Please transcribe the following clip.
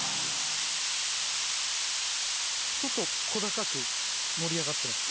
ちょっと小高く盛り上がってます。